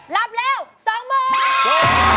รับแล้ว๒มือ